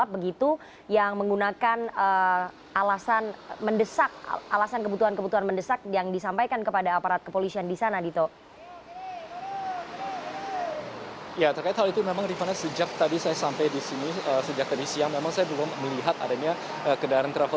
banyak sekali kita